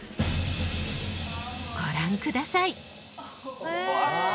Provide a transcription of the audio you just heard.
ご覧ください。